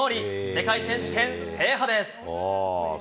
世界選手権制覇です。